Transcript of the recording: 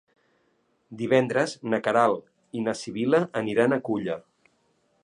Divendres na Queralt i na Sibil·la aniran a Culla.